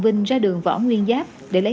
vinh ra đường võ nguyên giáp để lấy